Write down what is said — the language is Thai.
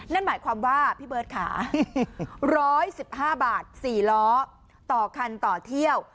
นั่นหมายความว่าพี่เบิร์ตค่ะ๑๑๕บาท๔ล้อต่อคันต่อเที่ยว